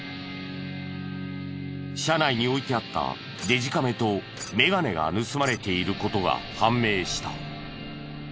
車内に置いてあったデジカメとメガネが盗まれている事が判明した。